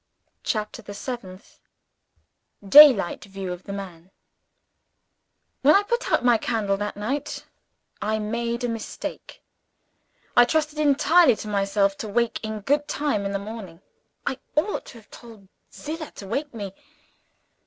CHAPTER THE SEVENTH Daylight View of the Man WHEN I put out my candle that night, I made a mistake I trusted entirely to myself to wake in good time in the morning. I ought to have told Zillah to call me.